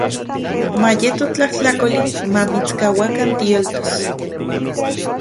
Mayeto tlajtlakoli mamitskauakan tiyoltos.